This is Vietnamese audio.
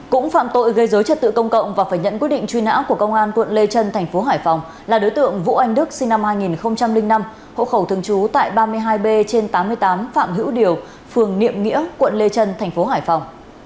cũng phạm tội gây dối trật tự công cộng và phải nhận quyết định truy nã của công an quận lê trân thành phố hải phòng là đối tượng vũ anh đức sinh năm hai nghìn năm hộ khẩu thường trú tại ba mươi hai b trên tám mươi tám phạm hữu điều phường niệm nghĩa quận lê trân thành phố hải phòng